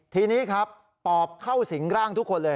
ทีนี้ครับปอบเข้าสิงร่างทุกคนเลย